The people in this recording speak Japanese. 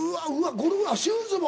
ゴルフあっシューズも？